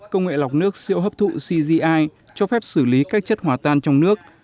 công nghệ lọc nước siêu hấp thụ cgi cho phép xử lý các chất hòa tan trong nước